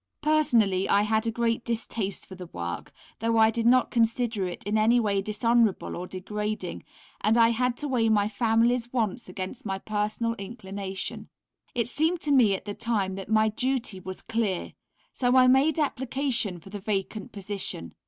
Personally I had a great distaste for the work, though I did not consider it in any way dishonourable or degrading, and I had to weigh my family's wants against my personal inclination. It seemed to me at the time that my duty was clear, so I made application for the vacant position.